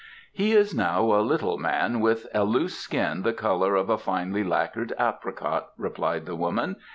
"He is now a little man, with a loose skin the colour of a finely lacquered apricot," replied the woman.